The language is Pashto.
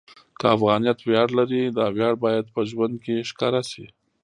که افغانیت ویاړ لري، دا ویاړ باید په ژوند کې ښکاره شي.